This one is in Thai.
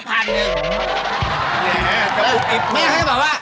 แม่เคยบอกว่า